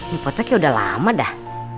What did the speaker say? ini foto kaya udah lama dah